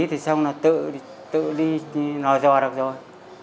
thì xong nó tự đi nó dò được rồi